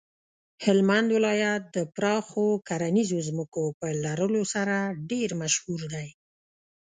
هلمند ولایت د پراخو کرنیزو ځمکو په لرلو سره ډیر مشهور دی.